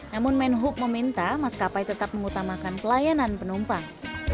namun menhub meminta maskapai tetap mengutamakan pelayanan penumpang